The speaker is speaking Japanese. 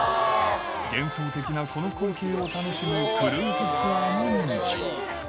幻想的なこの光景を楽しむクルーズツアーも人気。